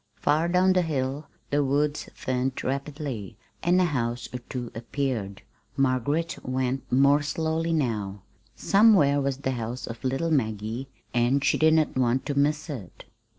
Far down the hill the woods thinned rapidly, and a house or two appeared. Margaret went more slowly now. Somewhere was the home of little Maggie, and she did not want to miss it.